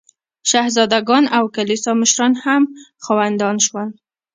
شهزاده ګان او کلیسا مشران هم خاوندان شول.